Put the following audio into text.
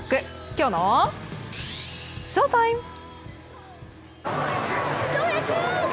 きょうのＳＨＯＴＩＭＥ！